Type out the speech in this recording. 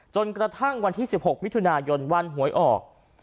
จนกระทั่งวันที่๑๖มิถุนายนวันหวยออก